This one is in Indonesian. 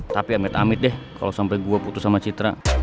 tapi amit amit deh kalau sampai gue putus sama citra